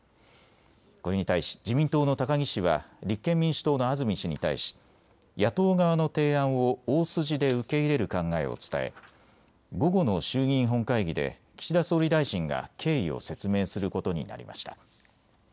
これに対し自民党の高木氏は立憲民主党の安住氏に対し野党側の提案を大筋で受け入れる考えを伝え午後の衆議院本会議で岸田総理大臣が経緯を説明することになりました。